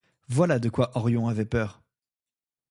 Voilà de quoi Orion avait peur.